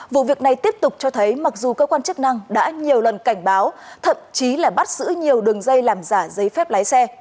vụ việc này tiếp tục cho thấy mặc dù cơ quan chức năng đã nhiều lần cảnh báo thậm chí là bắt giữ nhiều đường dây làm giả giấy phép lái xe